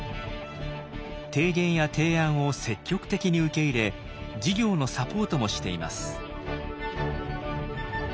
提言や提案を積極的に受け入れ事業のサポートもしています。